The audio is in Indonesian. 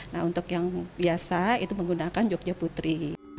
nah untuk yang biasa itu menggunakan jogja putri